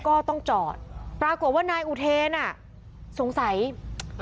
ก็ต้องจอดปรากฏว่านายอุเทนอ่ะสงสัยเอ่อ